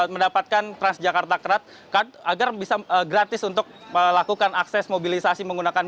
mendapatkan transjakarta kerat agar bisa gratis untuk melakukan akses mobilisasi menggunakan